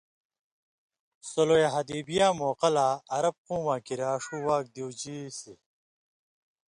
صُلح حدیبییاں موقع لا عرب قومہ واں کِریا ݜُو واک دیُوژیسیۡ